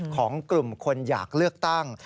ของกลุ่มคนอยากเลือกตั้ง